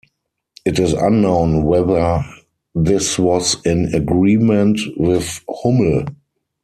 It is unknown whether this was in agreement with Hummel.